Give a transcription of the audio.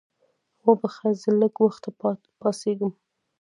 وبخښه زه لږ وخته پاڅېږم.